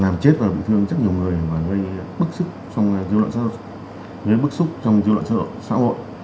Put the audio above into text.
làm chết và bị thương rất nhiều người và gây bức xúc trong dư luận xã hội